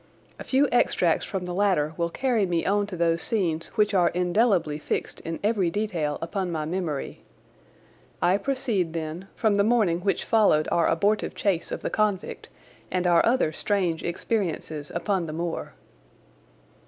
A few extracts from the latter will carry me on to those scenes which are indelibly fixed in every detail upon my memory. I proceed, then, from the morning which followed our abortive chase of the convict and our other strange experiences upon the moor.